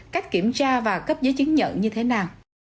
cách kiểm tra và cấp giấy chứng nhận như thế nào